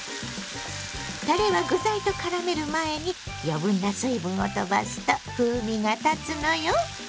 たれは具材とからめる前に余分な水分を飛ばすと風味がたつのよ。